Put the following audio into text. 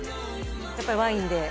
やっぱりワインで？